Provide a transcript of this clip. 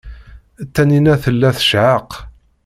Taninna tella tcehheq.